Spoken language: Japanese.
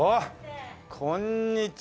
こんにちは。